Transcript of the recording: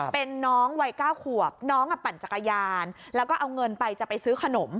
เป็นน้องวัย๙ขวบน้องปั่นจักรยานแล้วก็เอาเงินไปจะไปซื้อขนม